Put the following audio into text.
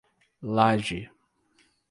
Laje